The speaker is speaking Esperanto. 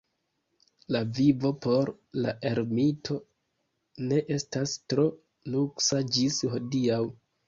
La vivo por la ermito ne estas tro luksa ĝis hodiaŭ.